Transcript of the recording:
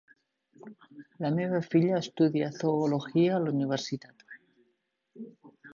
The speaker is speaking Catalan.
La meva filla estudia zoologia a la universitat.